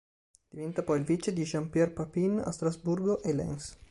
Diventa poi il vice di Jean-Pierre Papin a Strasburgo e Lens.